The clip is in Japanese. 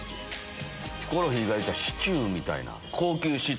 ヒコロヒーが言うてたシチューみたいな。